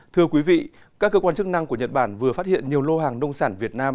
thưa quý vị các cơ quan chức năng của nhật bản vừa phát hiện nhiều lô hàng nông sản việt nam